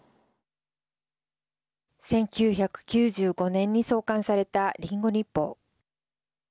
１９９５年に創刊されたリンゴ日報。